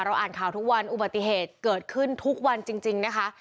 อ่านข่าวทุกวันอุบัติเหตุเกิดขึ้นทุกวันจริงนะคะ